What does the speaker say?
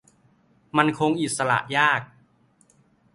มันคงอิสระยาก